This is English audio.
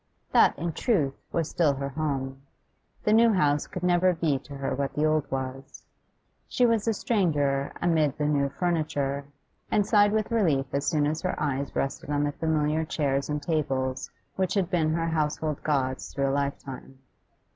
That, in truth, was still her home; the new house could never be to her what the old was; she was a stranger amid the new furniture, and sighed with relief as soon as her eyes rested on the familiar chairs and tables which had been her household gods through a lifetime.